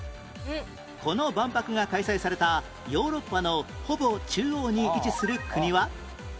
この万博が開催されたヨーロッパのほぼ中央に位置する国は？